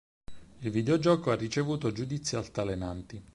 Il videogioco ha ricevuto giudizi altalenanti.